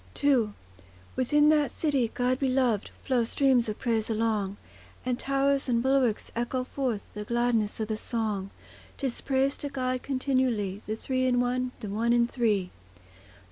II Within that city, God beloved, Flow streams of praise along; And towers and bulwarks echo forth The gladness of the song; 'Tis praise to God continually, The Three in One, the One in Three.